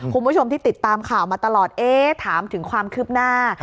คุณผู้ชมที่ติดตามข่าวมาตลอดเอ๊ะถามถึงความคืบหน้า